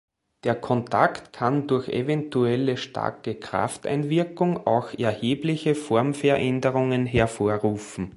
Der Kontakt kann durch eventuelle, starke Krafteinwirkung auch erhebliche Formveränderungen hervorrufen.